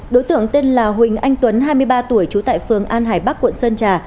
đối tượng tên là huỳnh anh tuấn hai mươi ba tuổi trú tại phường an hải bắc quận sơn trà